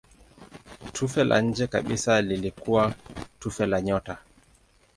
Tufe la nje kabisa lilikuwa tufe la nyota.